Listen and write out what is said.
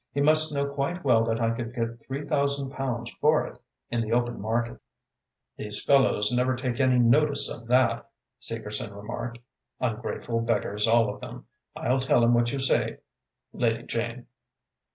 He must know quite well that I could get three thousand pounds for it in the open market." "These fellows never take any notice of that," Segerson remarked. "Ungrateful beggars, all of them. I'll tell him what you say, Lady Jane."